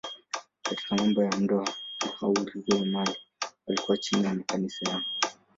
Katika mambo ya ndoa au urithi wa mali walikuwa chini ya makanisa yao.